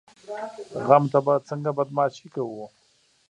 غم ته به څنګه بدماشي کوو؟